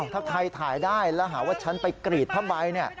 ถ้าใครถ่ายได้แล้วหาว่าฉันไปกรีดทำไม